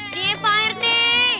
selamat berhenti ya